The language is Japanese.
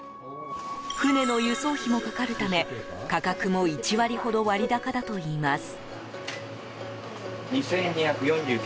船の輸送費もかかるため価格も１割ほど割高だといいます。